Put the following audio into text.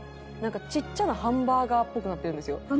ちっちゃなハンバーガーっぽくなってるんですよ。